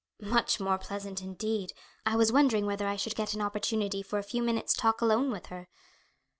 "Much more pleasant; indeed, I was wondering whether I should get an opportunity for a few minutes' talk alone with her."